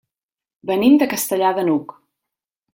Venim de Castellar de n'Hug.